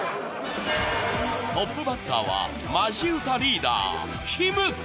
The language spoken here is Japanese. トップバッターはマジ歌リーダーヒム子。